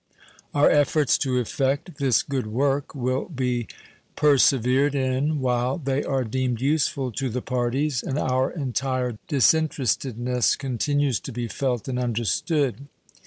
Our efforts to effect this good work will be persevered in while they are deemed useful to the parties and our entire disinterestedness continues to be felt and understood.